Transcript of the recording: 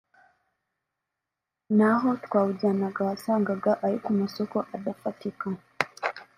n’aho twawujyanaga wasangaga ari ku masoko adafatika